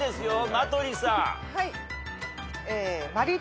名取さん。